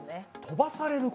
飛ばされる。